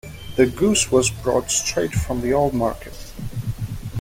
The goose was brought straight from the old market.